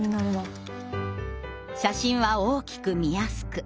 写真は大きく見やすく。